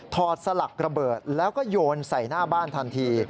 สลักระเบิดแล้วก็โยนใส่หน้าบ้านทันที